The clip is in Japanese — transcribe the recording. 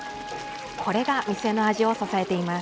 これが店の味を支えています。